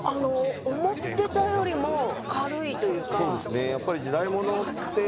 思っていたよりも軽いというか。